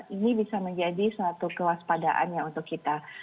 ini bisa menjadi satu kewaspadaannya untuk kita